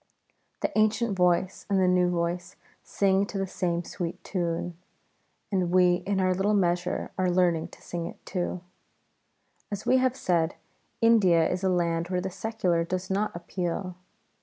The ancient voice and the new voice sing to the same sweet tune; and we in our little measure are learning to sing it too. As we have said, India is a land where the secular does not appeal.